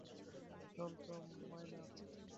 চল তো, মাইনাস।